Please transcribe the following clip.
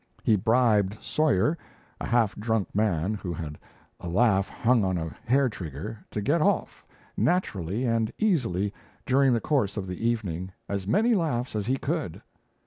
He bribed Sawyer, a half drunk man, who had a laugh hung on a hair trigger, to get off, naturally and easily during the course of the evening, as many laughs as he could.